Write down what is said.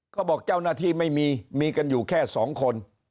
บอกเจ้าหน้าที่ไม่มีมีกันอยู่แค่๒คน